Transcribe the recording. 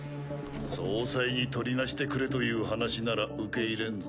総裁にとりなしてくれという話なら受け入れんぞ。